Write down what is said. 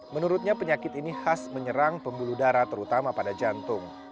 menurutnya penyakit ini khas menyerang pembuluh darah terutama pada jantung